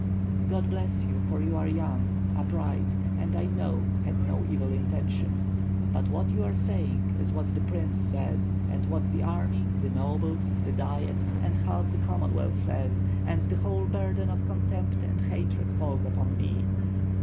"God bless you, for you are young, upright, and I know had no evil intention; but what you are saying is what the prince WITH FIRE AND SWORD, 6ll says and what the army, the nobles, the Diet, and half the Commonwealth says — ^and the whole burden of contempt and hatred falls upon me."